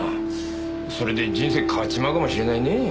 それで人生変わっちまうかもしれないねぇ。